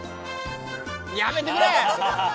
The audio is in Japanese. やめてくれ！